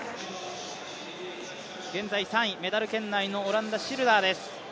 現在３位、メダル圏内のオランダ、シルダーです。